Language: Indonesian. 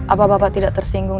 apa bapak tidak tersinggung